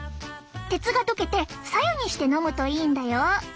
鉄が溶けてさ湯にして飲むといいんだよ！